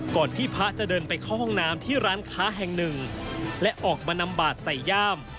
ที่พระจะเดินไปเข้าห้องน้ำที่ร้านค้าแห่งหนึ่งและออกมานำบาดใส่ย่าม